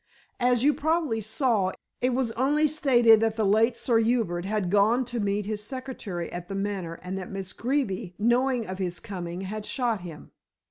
As you probably saw, it was only stated that the late Sir Hubert had gone to meet his secretary at The Manor and that Miss Greeby, knowing of his coming, had shot him.